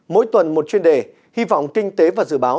mỗi tuần một chuyên đề hy vọng kinh tế và dự báo